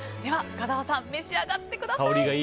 深澤さん、召し上がってください。